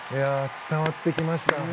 伝わってきました。